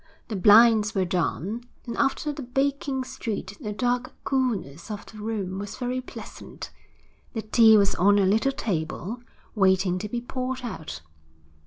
The blinds were down, and after the baking street the dark coolness of the room was very pleasant. The tea was on a little table, waiting to be poured out.